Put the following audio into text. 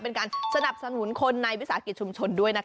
เป็นการสนับสนุนคนในวิสาหกิจชุมชนด้วยนะคะ